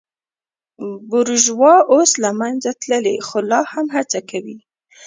بورژوا اوس له منځه تللې خو لا هم هڅه کوي.